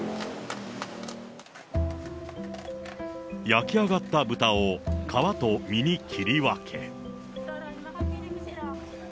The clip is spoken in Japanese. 焼き上がった豚を皮と身に切り分け。